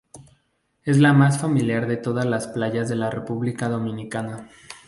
Es la más familiar de todas las playas de la República Dominicana.